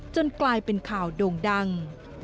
กลายเป็นข่าวโด่งดัง